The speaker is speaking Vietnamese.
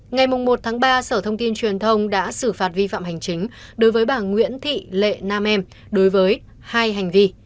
ngày một ba sở thông tin truyền thông đã xử phạt vi phạm hành chính đối với bà nguyễn thị lệ nam em đối với hai hành vi